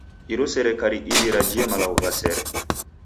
Iro serikali iw'i rajie malagho gha sere.